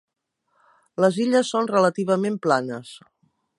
Les illes són relativament planes.